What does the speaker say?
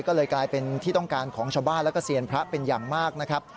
ก็เลยกลายเป็นที่ต้องการของชาวบ้านและก็เซียนพระเป็นอย่างมากนะครับ